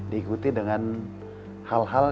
diikuti dengan hal hal